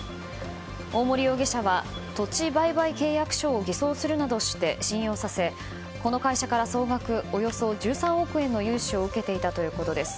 大森容疑者は土地売買契約書を偽装するなどして信用させ、この会社から総額１３億円の融資を受けていたということです。